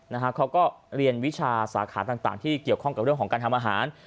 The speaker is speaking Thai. เขาก็เรียนวิชาสาขาต่างที่เกี่ยวข้องกับเรื่องของการทำอาหาร